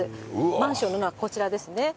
マンションの中、こちらですね。